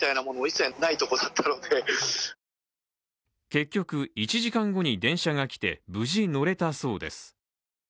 結局１時間後に電車が来て無事乗れたそうです。